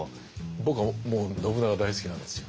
僕はもう信長大好きなんですよ。